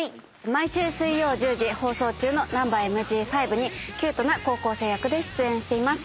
毎週水曜１０時放送中の『ナンバＭＧ５』にキュートな高校生役で出演しています。